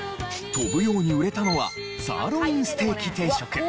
飛ぶように売れたのはサーロインステーキ定食。